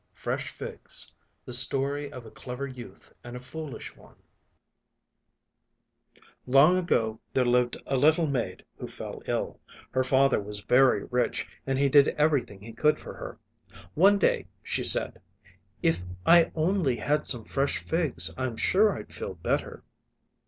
FRESH FIGS The Story of a Clever Youth and a Foolish One Long ago there lived a little maid who fell ill. Her father was very rich and he did everything he could for her. One day she said: "If I only had some fresh figs I'm sure I'd feel better."